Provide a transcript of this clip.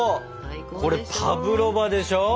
これパブロバでしょ？